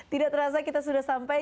tidak terasa kita sudah sampai